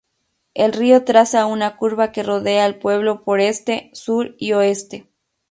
El río traza una curva que rodea el pueblo por este, sur y oeste.